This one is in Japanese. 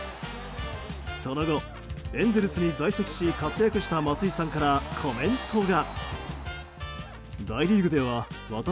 その後、エンゼルスに在籍し活躍した松井さんからコメントが。